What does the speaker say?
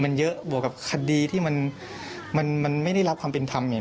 มันเยอะบวกกับคดีที่มันไม่ได้รับความเป็นธรรมเนี่ย